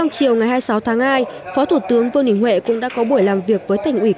phó thủ tướng vương đình huệ cũng đã có buổi làm việc với thành ủy cần tháp